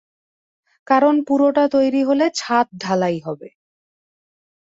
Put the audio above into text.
কারণ পুরোটা তৈরি হলে ছাদ ঢালাই হবে।